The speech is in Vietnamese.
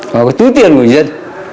họ có tứ tiền của dân